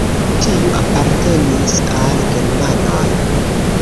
Tiu apartenis al germanoj.